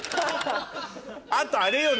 あとあれよ